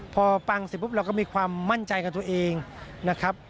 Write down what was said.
พอฟังเสร็จปุ๊บเราก็มีความมั่นใจกับตัวเองนะครับ